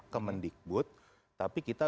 kemendikbud tapi kita